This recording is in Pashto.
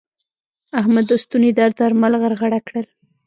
احمد د ستوني درد درمل غرغړه کړل.